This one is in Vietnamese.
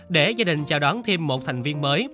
để gia đình chào đón thêm một thành viên mới